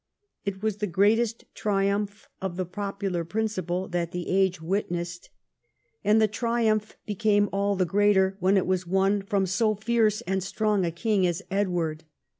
It was the greatest triumph of the popular principle that the age witnessed, and the 198 EDWARD I chap, xi triumph became all the greater when it was won from so fierce and strong a king as Edward.